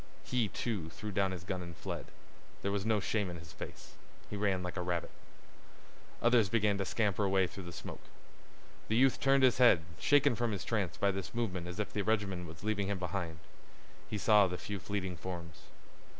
He, too, threw down his gun and fled. There was no shame in his face. He ran like a rabbit. Others began to scamper away through the smoke. The youth turned his head, shaken from his trance by this movement as if the regiment was leaving him behind. He saw the few fleeting forms.